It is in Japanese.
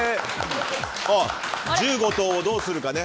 １５投をどうするか。